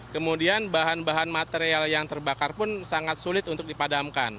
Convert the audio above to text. kemudian bahan bahan material yang terbakar pun sangat sulit untuk dipadamkan